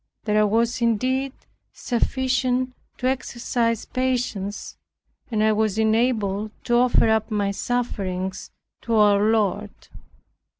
There was indeed sufficient to exercise patience, and I was enabled to offer up my sufferings to our Lord.